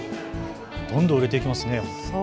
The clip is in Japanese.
どんどん売れていきますね。